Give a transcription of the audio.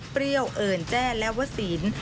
เปรี้ยวเอิญแจ้และวสิน